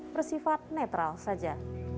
bersifat netral saja